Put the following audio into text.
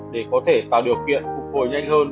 để có thể tạo điều kiện phục hồi nhanh hơn